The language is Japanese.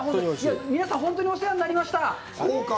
皆さん、本当にお世話になりました。